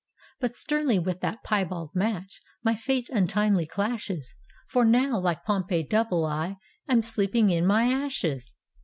But sternly with that piebald match, My fate untimely clashes ; For now, like Pompey double i, I'm sleeping in my ashes!